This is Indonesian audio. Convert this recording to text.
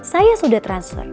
saya sudah transfer